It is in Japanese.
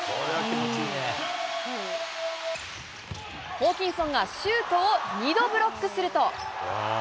ホーキンソンがシュートを２度ブロックすると。